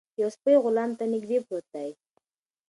یو سپی غلام ته نږدې پروت دی.